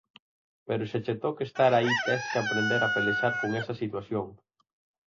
Pero se che toca estar aí tes que aprender a pelexar con esa situación.